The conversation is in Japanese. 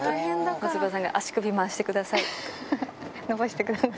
松葉さんが足首回してくださいって。